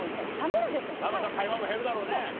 会話も減るだろうね。